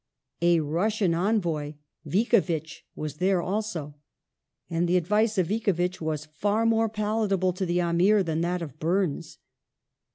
A Russian envoy, Vicovitch, was there also, and the advice of Vicovitch was far more palatable to the Amir than that of Burnes.